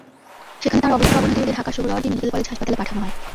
সেখানে তাঁর অবস্থার অবনতি হলে ঢাকার সোহরাওয়ার্দী মেডিকেল কলেজ হাসপাতালে পাঠানো হয়।